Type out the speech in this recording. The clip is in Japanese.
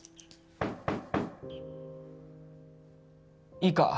いいか？